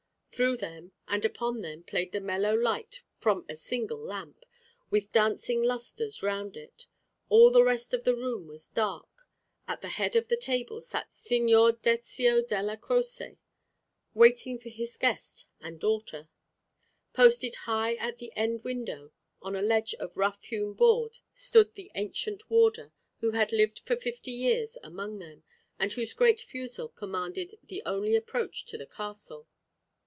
Through them and upon them played the mellow light from a single lamp, with dancing lustres round it. All the rest of the room was dark. At the head of the table sat Signor Dezio Della Croce, waiting for his guest and daughter. Posted high at the end window on a ledge of rough hewn board, stood the ancient warder, who had lived for fifty years among them, and whose great fusil commanded the only approach to the castle.